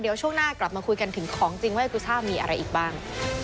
เดี๋ยวช่วงหน้ากลับมาคุยกันถึงของจริงว่าเอกูซ่ามีอะไรอีกบ้าง